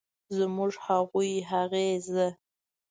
زموږ، هغوی ، هغې ،زه